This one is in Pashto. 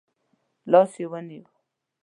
لاس يې ونیو.